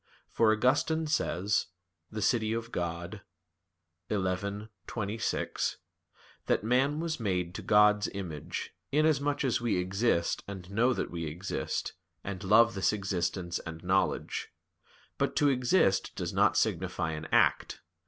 For Augustine says (De Civ. Dei xi, 26), that "man was made to God's image, inasmuch as we exist and know that we exist, and love this existence and knowledge." But to exist does not signify an act.